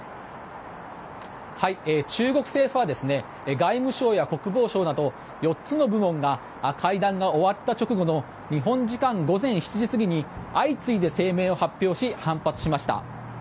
中国政府は外務省や国防省など４つの部門が会談が終わった直後の日本時間午前７時過ぎに相次いで声明を発表し反発しました。